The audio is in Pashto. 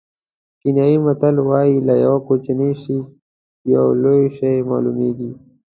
کینیايي متل وایي له یوه کوچني شي یو لوی شی معلومېږي.